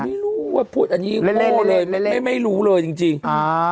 ไม่รู้ว่าพวกอันนี้โหลเลยไม่รู้เลยจริงอ่า